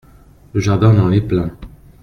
Le jardin en est plein…